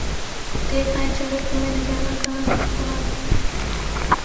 دیکھ آئیں چلو کوئے نگاراں کا خرابہ